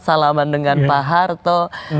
salaman dengan pak harto